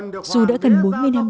dù đã gần bốn mươi năm